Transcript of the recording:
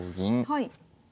はい。